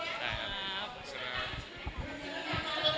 ใช่ใช่ใช่ครับใช่ครับ